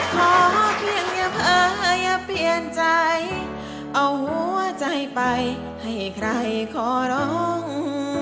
ขอเพียงอย่าเผลออย่าเปลี่ยนใจเอาหัวใจไปให้ใครขอร้อง